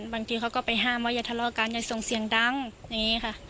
บางทีเขาก็ไปห้ามว่าอย่าทะเลาะกันอย่าส่งเสียงดังอย่างนี้ค่ะ